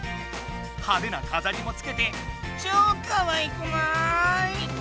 はでなかざりもつけて超かわいくない！